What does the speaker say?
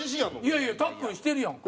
いやいやタックルしてるやんか。